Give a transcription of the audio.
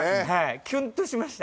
キュンとしました。